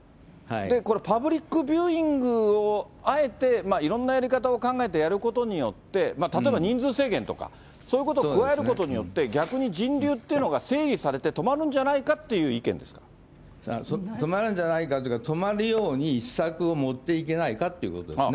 これ、パブリックビューイングをあえて、いろんなやり方を考えてやることによって、例えば人数制限とか、そういうことを加えることによって、逆に人流っていうのが整理されて止まるんじゃないかという意見で止まるんじゃないかっていうか、止まるように施策を持っていけないかということですね。